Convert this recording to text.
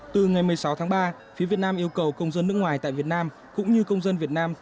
từ ngày một mươi sáu tháng ba phía việt nam yêu cầu công dân nước ngoài tại việt nam cũng như công dân việt nam